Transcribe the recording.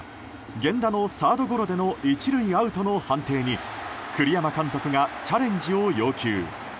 源田のサードゴロでの１塁アウトの判定に栗山監督がチャレンジを要求。